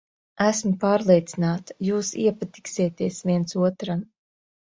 Esmu pārliecināta, jūs iepatiksieties viens otram.